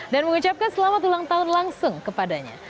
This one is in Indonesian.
dan mengucapkan selamat ulang tahun langsung kepadanya